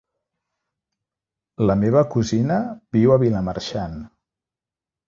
La meva cosina viu a Vilamarxant.